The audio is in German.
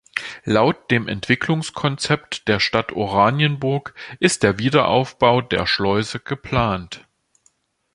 Laut dem Entwicklungskonzept der Stadt Oranienburg ist der Wiederaufbau der Schleuse geplant.